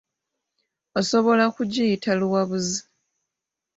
Osobola kugiyita luwabuzi.